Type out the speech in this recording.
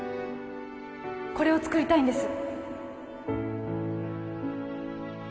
これを作りたいんです